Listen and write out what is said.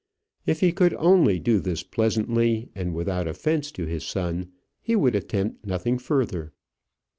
If he could only do this pleasantly, and without offence to his son, he would attempt nothing further.